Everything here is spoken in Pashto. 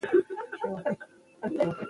بله ښېګنه د دې يونليک دا ده چې ليکوال